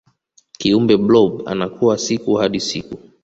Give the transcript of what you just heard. kiumbe blob anakua siku hadi siku